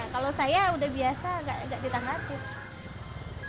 kalau saya udah biasa enggak ditanggapi